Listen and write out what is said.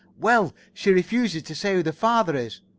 "Well, she refuses to say who the father is."